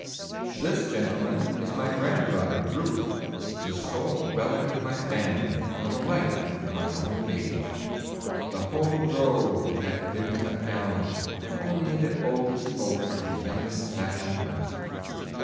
This, gentlemen, is my granddaughter Ruth, the sole relic of my family and the light of mine old age. The whole grove hath been cut down, and only the oldest oak and the youngest sapling left.